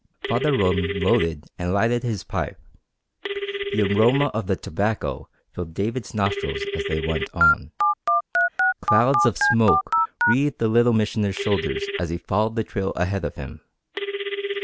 Father Roland loaded and lighted his pipe. The aroma of the tobacco filled David's nostrils as they went on. Clouds of smoke wreathed the Little Missioner's shoulders as he followed the trail ahead of him.